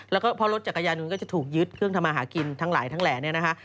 แล้วก็เพราะรถจักรยานยนต์ก็จะถูกยึดเครื่องทำมาหากินทั้งหลายทั้งแหล่เนี่ยนะคะ